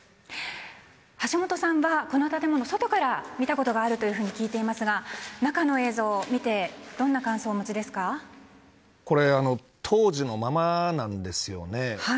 橋下さんはこの建物外から見たことがあるというふうに聞いていますが中の映像を見てこれ当時のままなんですよね。